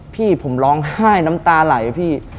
พี่ผมร้องไห้น้ำตาไหลพี่